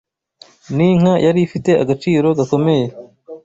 ninka yari ifite agaciro gakomeye